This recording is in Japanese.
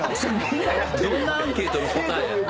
どんなアンケートの答えや。